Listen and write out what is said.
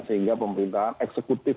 sehingga pemerintahan eksekutif